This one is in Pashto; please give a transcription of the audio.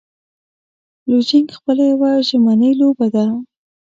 لوژینګ خپله یوه ژمنی لوبه ده.